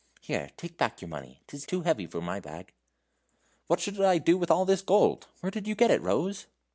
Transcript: "Here, take back your money, 't is too heavy for my bag." "What should I do with all this gold? Where did you get it, Rose?"